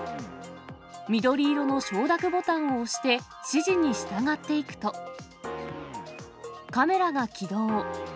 緑色の承諾ボタンを押して指示に従っていくと、カメラが起動。